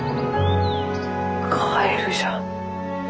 カエルじゃ。